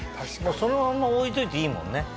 そのまんま置いといていいもんね。